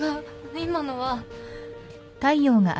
今のは。